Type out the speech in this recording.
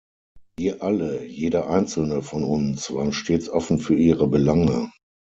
Wir alle, jeder einzelne von uns, waren stets offen für ihre Belange.